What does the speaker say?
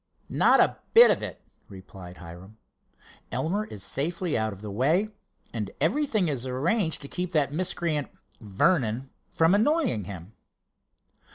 "Not a bit of it," replied Hiram. "Elmer is safely out of the way, and everything is arranged to keep that miscreant, Vernon, from annoying him."